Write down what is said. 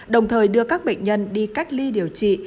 đồng thời đưa các bệnh nhân đi cách ly điều trị